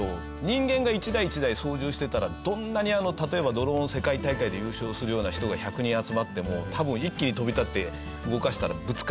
人間が１台１台操縦してたらどんなに例えばドローン世界大会で優勝するような人が１００人集まっても多分一気に飛び立って動かしたらぶつかるんですよ。